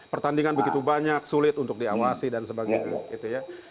pertandingan begitu banyak sulit untuk diawasi dan sebagainya